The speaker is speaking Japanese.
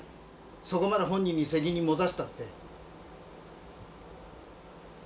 そこまで本人に責任持たせたって。